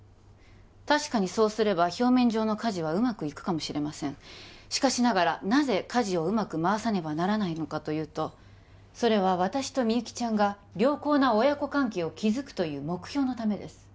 確かにそうすれば表面上の家事はうまくいくかもしれませんしかしながらなぜ家事をうまく回さねばならないのかというとそれは私とみゆきちゃんが良好な親子関係を築くという目標のためです